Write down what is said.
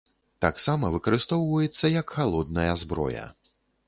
Таксама выкарыстоўваецца як халодная зброя.